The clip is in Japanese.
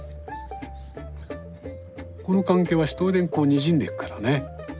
この関係はひとりでににじんでいくからね。